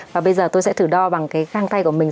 và bây giờ tôi sẽ thử đo bằng cái găng tay của mình